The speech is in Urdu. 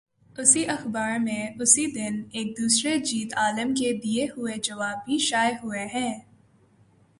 اسی اخبار میں، اسی دن، ایک دوسرے جید عالم کے دیے ہوئے جواب بھی شائع ہوئے ہیں۔